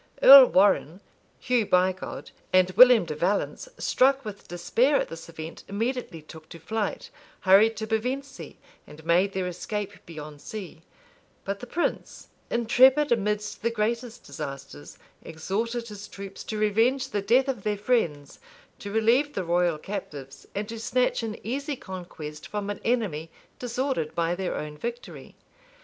Earl Warrenne, Hugh Bigod, and William de Valence, struck with despair at this event, immediately took to flight, hurried to Pevencey, and made their escape beyond sea:[] but the prince, intrepid amidst the greatest disasters, exhorted his troops to revenge the death of their friends, to relieve the royal captives, and to snatch an easy conquest from an enemy disordered by their own victory.